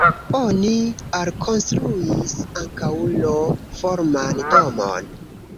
Oni alkonstruis ankaŭ L-forman domon.